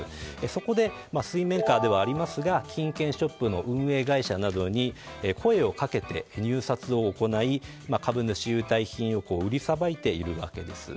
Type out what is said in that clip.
そこで、水面下ではありますが金券ショップの運営会社などに声をかけて入札を行い株主優待品を売りさばいているわけです。